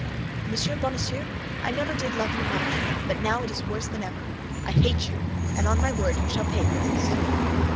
Ah, Monsieur Bonacieux, I never did love you much, but now it is worse than ever. I hate you, and on my word you shall pay for this!"